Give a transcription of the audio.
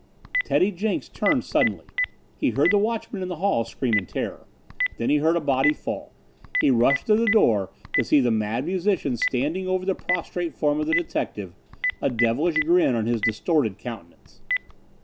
Teddy Jenks turned suddenly. He heard the watchman in the hall scream in terror. Then he heard a body fall. He rushed to the door to see the Mad Musician standing over the prostrate form of the detective, a devilish grin on his distorted countenance.